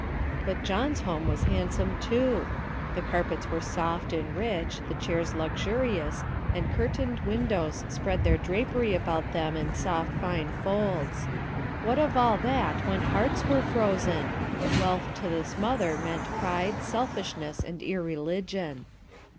But John's home was handsome, too; the carpets were soft and rich, the chairs luxurious, and curtained windows spread their drapery about them in soft fine folds. What of all that when hearts were frozen? Wealth to this mother meant pride, selfishness, and irreligion.